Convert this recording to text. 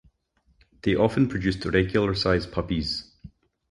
They often produced regular-size puppies.